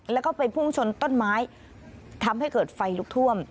แล้วก็ไปพุ่งชนต้นไม้ทำให้เกิดไฟลุกท่วม